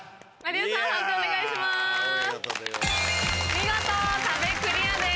見事壁クリアです。